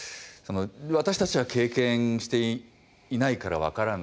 私たちは経験していないから分からない。